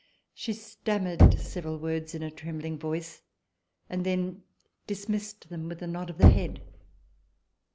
She stammered several words in a trembling voice and then dismissed them with a nod of the head.